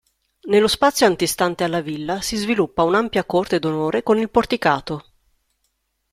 Nello spazio antistante alla villa si sviluppa un'ampia corte d'onore con il porticato.